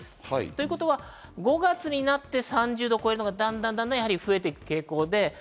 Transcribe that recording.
ということは５月になって３０度を超えるのがだんだん増えてくる傾向で。